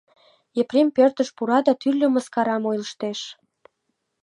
Епрем пӧртыш пура да тӱрлӧ мыскарам ойлыштеш.